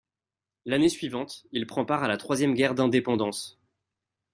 L'année suivante, il prend part à la troisième guerre d'Indépendance.